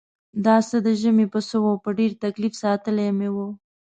دا څه د ژمي پسه و په ډېر تکلیف ساتلی مې و.